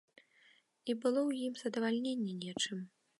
І было ў ім здавальненне нечым.